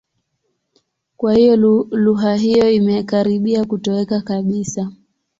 Kwa hiyo lugha hiyo imekaribia kutoweka kabisa.